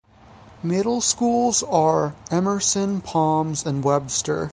Middle schools are Emerson, Palms, and Webster.